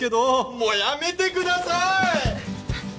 もうやめてください！